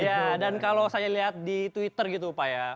iya dan kalau saya lihat di twitter gitu pak ya